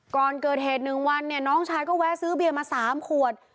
ก่อนเกิดเหตุ๑วันเนี่ยน้องชายก็แวะซื้อเบียร์มา๓ขวด